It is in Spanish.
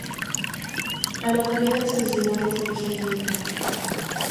La localidad de San Simón es de origen lenca.